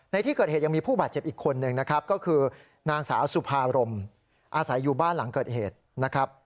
ในที่เกิดเหตุยังมีผู้บาดเจ็บอีกคนนึงนะครับก็คือนางสาวสุภารมอาศัยอยู่บ้านหลังเกิดเหตุนะครับ